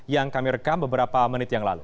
yang kami rekam beberapa menit yang lalu